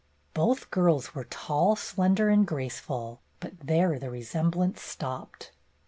Both girls were tall, slender, and graceful, but there the resemblance stopped.